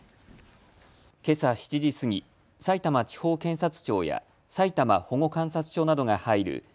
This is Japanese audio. けさ７時過ぎ、さいたま地方検察庁やさいたま保護観察所などが入る